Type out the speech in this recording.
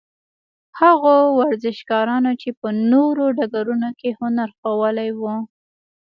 هغو ورزشکارانو چې په نورو ډګرونو کې هنر ښوولی وو.